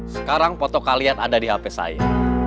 sekarang foto kalian ada di hp saya